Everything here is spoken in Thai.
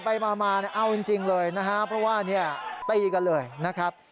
ไปมาเอาจริงเลยเพราะว่าตีกันเลยนะครับ